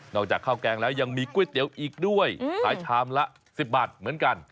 จากข้าวแกงแล้วยังมีก๋วยเตี๋ยวอีกด้วยขายชามละ๑๐บาทเหมือนกัน